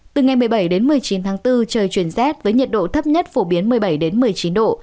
từ ngày một mươi bảy đến một mươi chín tháng bốn trời chuyển rét với nhiệt độ thấp nhất phổ biến một mươi bảy một mươi chín độ